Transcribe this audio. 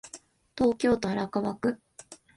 東京都荒川区